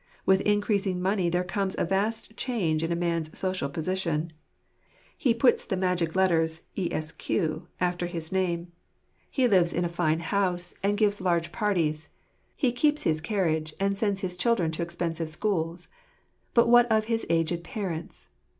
With increasing money there comes a vast change in a man's social position. He puts the magic letters "Esq." after his name. He lives in a fine house, farirfj before JlfranurJr. 133 and gives large parties. He keeps his carriage, and sends his children to expensive schools. But what of his aged parents?